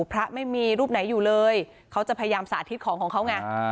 พระไม่มีรูปไหนอยู่เลยเขาจะพยายามสาธิตของของเขาไง